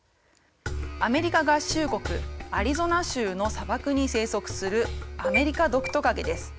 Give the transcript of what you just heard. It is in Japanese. アメリカ合衆国アリゾナ州の砂漠に生息するアメリカドクトカゲです。